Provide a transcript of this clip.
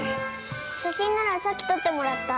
写真ならさっき撮ってもらった。